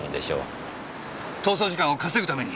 逃走時間を稼ぐために？